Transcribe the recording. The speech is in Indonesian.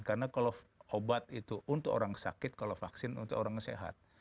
karena kalau obat itu untuk orang sakit kalau vaksin untuk orang sehat